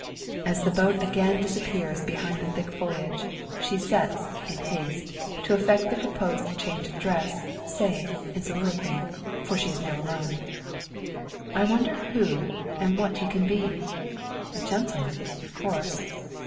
As the boat again disappears behind the thick foliage, she sets, in haste, to effect the proposed change of dress, saying, in soliloquy for she is now alone: "I wonder who, and what he can be? A gentleman, of course.